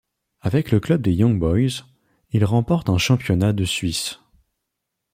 Avec le club des Young Boys, il remporte un championnat de Suisse.